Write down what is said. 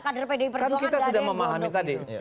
kan kita sudah memahami tadi